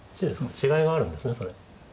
違いがあるんですねそれ。